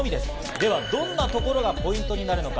ではどんなところがポイントになるのか？